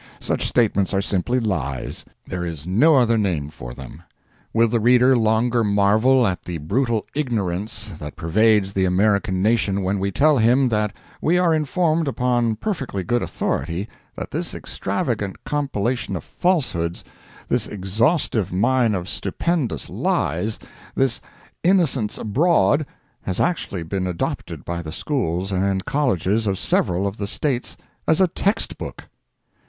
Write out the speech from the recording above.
Such statements are simply lies—there is no other name for them. Will the reader longer marvel at the brutal ignorance that pervades the American nation when we tell him that we are informed upon perfectly good authority that this extravagant compilation of falsehoods, this exhaustless mine of stupendous lies, this "Innocents Abroad", has actually been adopted by the schools and colleges of several of the States as a text book!